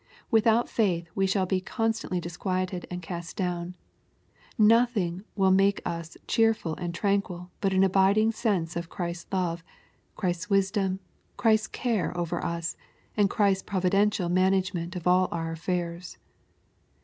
Without faith we shall be constantly disquieted and cast down; Nothing will make us cheerful and tranquil but an abiding sense of Christ's love, Christ's wisdom, Christ's care over us, and Christ's providential management of all our aflfairs.